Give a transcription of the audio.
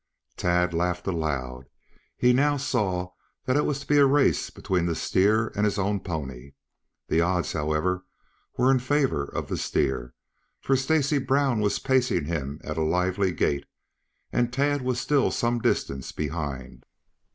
Tad laughed aloud. He now saw that it was to be a race between the steer and his own pony. The odds, however, were in favor of the steer, for Stacy Brown was pacing him at a lively gait, and Tad was still some distance behind.